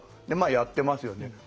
でまあやってますよね。